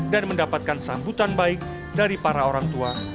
dan mendapatkan sambutan baik dari para orang tua